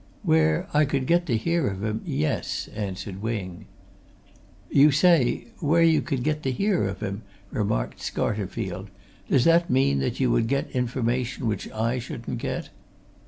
"Where I could get to hear of him yes," answered Wing. "You say where you could get to hear of him," remarked Scarterfield. "Does that mean that you would get information which I shouldn't get?"